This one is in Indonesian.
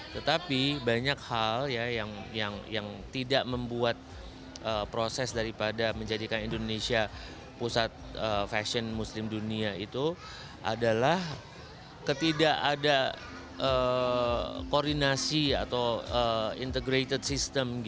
tetapi banyak hal yang tidak membuat proses daripada menjadikan indonesia pusat fashion muslim dunia itu adalah ketidakada koordinasi atau integrated system